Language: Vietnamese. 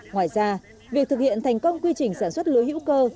ngoài ra việc thực hiện thành công quy trình sản xuất lúa hữu cơ